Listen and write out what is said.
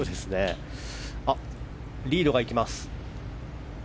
リードがいきます